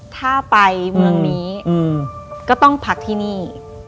ถ้าไปเมืองนี้ก็ต้องพักที่นี่